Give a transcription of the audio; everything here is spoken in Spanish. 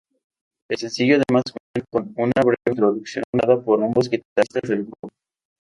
El sencillo además cuenta con una breve introducción, dada por ambos guitarristas del grupo.